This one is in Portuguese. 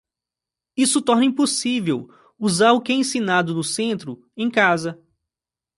Isso torna impossível usar o que é ensinado no centro em casa.